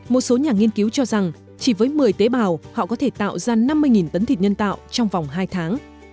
một số nhà nghiên cứu cho rằng chỉ với một mươi tế bào họ có thể tạo ra năm mươi tấn thịt nhân tạo trong vòng hai tháng